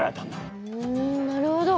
うんなるほど。